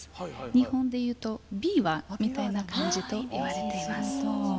日本でいうとびわみたいな感じといわれています。